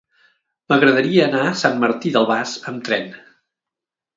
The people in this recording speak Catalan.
M'agradaria anar a Sant Martí d'Albars amb tren.